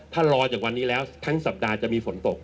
ถ้ารอจากวันนี้แล้วทั้งสัปดาห์จะมีฝนตก